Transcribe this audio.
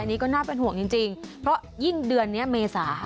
อันนี้ก็น่าเป็นห่วงจริงเพราะยิ่งเดือนนี้เมษาค่ะ